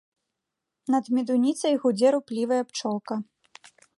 Над медуніцай гудзе руплівая пчолка.